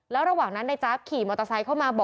ระหว่างนั้นนายจ๊าบขี่มอเตอร์ไซค์เข้ามาบอก